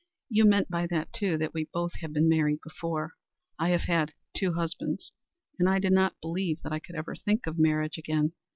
You meant by that, too, that we both have been married before. I have had two husbands, and I did not believe that I could ever think of marriage again.